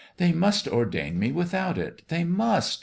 They must or dain me without it. They must